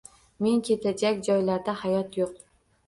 Men ketajak joylarda hayot yo’q